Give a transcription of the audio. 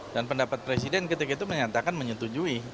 dan pendapat presiden ketika itu menyatakan menyetujui